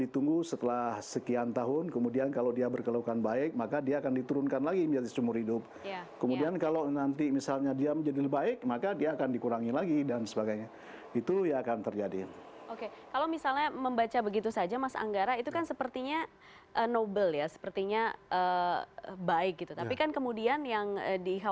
terima kasih terima kasih